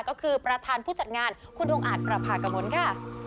ก็คือประธานผู้จัดงานคุณดวงอาจประพากมลค่ะ